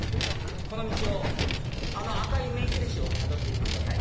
この道をあの赤い目印をたどっていってください。